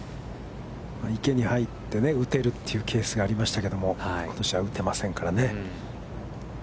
池に入って打てるというケースがありましたけども、ことしは打てませんからね。